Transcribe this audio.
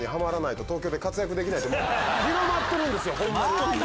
広まってるんですよホンマに。